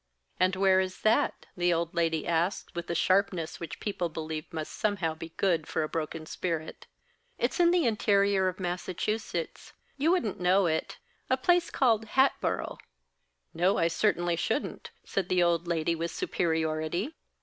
"And where is that?" the old lady asked, with the sharpness which people believe must somehow be good for a broken spirit. "It's in the interior of Massachusetts you wouldn't know it: a place called Hatboro'." "No, I certainly shouldn't," said the old lady, with superiority.